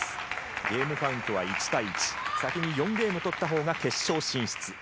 ゲームカウントは１対１先に４ゲーム取ったほうが決勝進出。